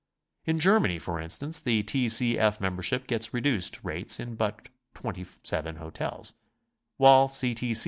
In Germany, for instance, T. C. F. membership gets reduced rates in but 27 hotels, while C. T.